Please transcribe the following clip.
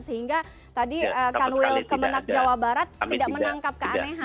sehingga tadi kanwil kemenak jawa barat tidak menangkap keanehan